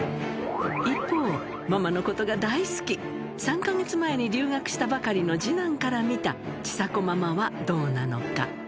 一方、ママのことが大好き、３か月前に留学したばかりの次男から見たちさ子ママはどうなのか。